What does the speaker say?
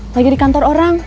lagi di kantor orang